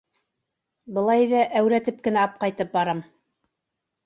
Былай ҙа әүрәтеп кенә апҡайтып барам.